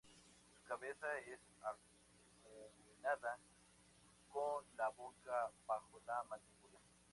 Su cabeza es acuminada, con la boca bajo la mandíbula.